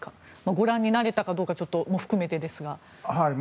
ご覧になれたかどうかも含めてですが。